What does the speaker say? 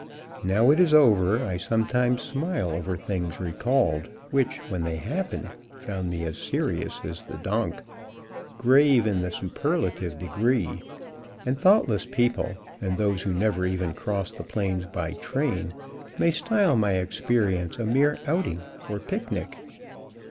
Now it is over, I sometimes smile over things recalled which, when they happened, found me as serious as the donk grave in the superlative degree and thought less people and those who never even crossed the plains by train may style my experience a mere outing or "picnic."